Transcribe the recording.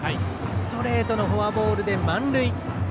ストレートのフォアボールで満塁。